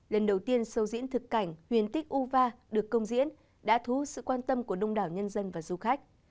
lần đầu tiên sâu diễn thực cảnh huyền tích u va được công diễn đã thú sự quan tâm của đông đảo nhân dân và du khách